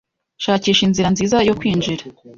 Shakisha inzira nziza yo kwinjira